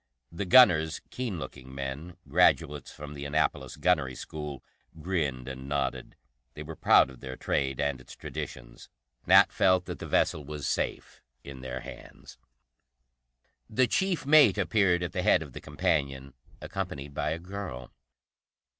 The gunners, keen looking men, graduates from the Annapolis gunnery school, grinned and nodded. They were proud of their trade and its traditions; Nat felt that the vessel was safe in their hands. The chief mate appeared at the head of the companion, accompanied by a girl.